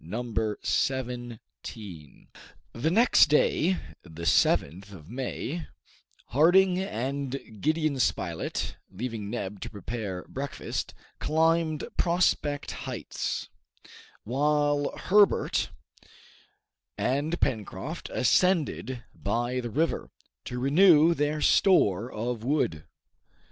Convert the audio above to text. Chapter 17 The next day, the 7th of May, Harding and Gideon Spilett, leaving Neb to prepare breakfast, climbed Prospect Heights, while Herbert and Pencroft ascended by the river, to renew their store of wood.